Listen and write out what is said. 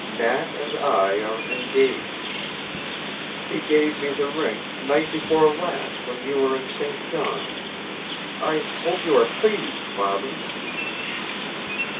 Nat and I are engaged. He gave me the ring night before last when you were in St. John's. I hope you are pleased, father."